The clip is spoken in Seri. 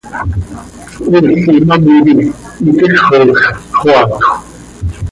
Ool imám quih itixoj x, xöaatjö.